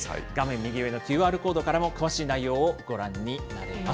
右上のＱＲコードからも詳しい内容をご覧になれます。